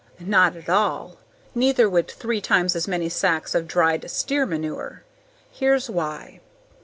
Not at all! Neither would three times as many sacks of dried steer manure. Here's why.